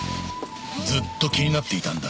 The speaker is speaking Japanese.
ずっと気になっていたんだ